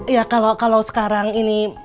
ya kalau sekarang ini